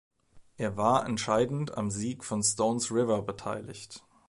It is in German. Er war entscheidend am Sieg von Stones River beteiligt.